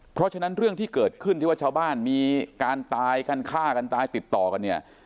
เพราะฉะนั้นเรื่องที่เกิดขึ้นที่ว่าชาวบ้านมีการตายกันฆ่ากันตายติดต่อกันเนี่ย